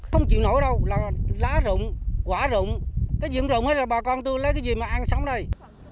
không chịu nổi đâu lá rụng quả rụng cái dưỡng rụng thì bà con tôi lấy cái gì mà ăn sóng đây